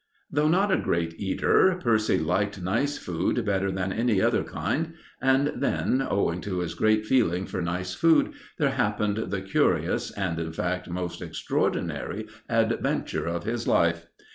Though not a great eater, Percy liked nice food better than any other kind, and then, owing to this great feeling for nice food, there happened the curious, and in fact most extraordinary, adventure of his life.